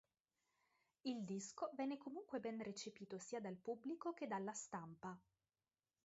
Il disco venne comunque ben recepito sia dal pubblico che dalla stampa.